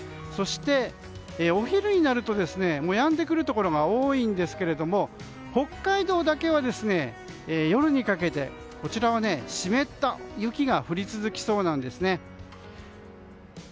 そしてお昼になるとやんでくるところが多いんですが北海道だけは夜にかけて湿った雪が降り続きそうなんですね。